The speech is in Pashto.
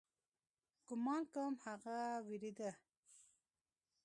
ګومان کوم هغه وېرېده.